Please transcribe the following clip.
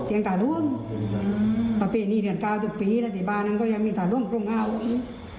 เตี๊ยงตาล่วงประเภทนี้เดือนกาลทุกปีราธิบาลนั้นก็ยังมีตาล่วงตรงอาวุ่น